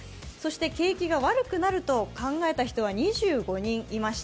景気が悪くなると考えた人は２５人いました。